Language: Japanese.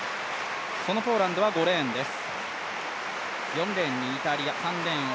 そのポーランドは５レーンです。